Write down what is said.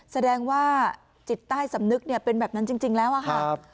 แสดงว่าจิตใต้สำนึกเป็นแบบนั้นจริงแล้วอะค่ะ